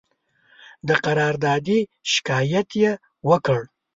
د قراردادي شکایت یې وکړ.